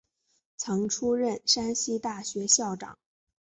曾出任山西大学校长。